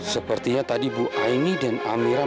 sepertinya tadi bu aini dan amira